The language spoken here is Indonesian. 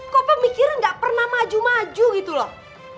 kok pemikiran gak pernah maju maju gitu loh